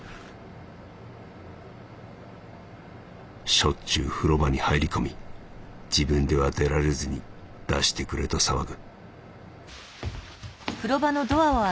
「しょっちゅう風呂場に入り込み自分では出られずに出してくれと騒ぐ」。